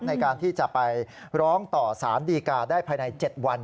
ในการที่จะไปร้องต่อสารดีกาได้ภายใน๗วัน